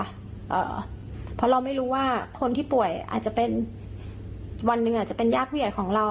เพราะเราไม่รู้ว่าคนที่ป่วยอาจจะเป็นวันหนึ่งอาจจะเป็นญาติผู้ใหญ่ของเรา